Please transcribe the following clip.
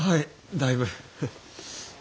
だいぶ。